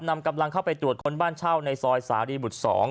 นำกำลังเข้าไปตรวจคนบ้านเช่าในซอยสารีบุตร๒